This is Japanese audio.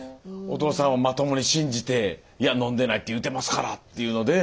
お父さんはまともに信じて「いや飲んでないって言うてますから」っていうので。